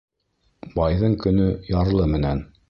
Байҙың көнө ярлы менән.